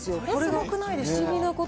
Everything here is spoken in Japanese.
それ、すごくないですか。